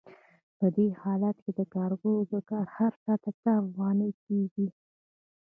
په دې حالت کې د کارګر د کار هر ساعت اته افغانۍ کېږي